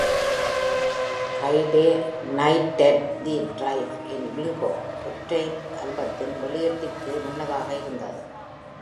"Friday night at the drive in bingo" ஒற்றை ஆல்பத்தின் வெளியீட்டிற்கு முன்னதாக இருந்தது.